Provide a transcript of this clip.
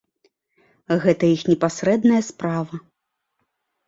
Гэта іх непасрэдная справа.